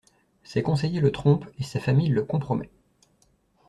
Ses conseillers le trompent et sa famille le compromet.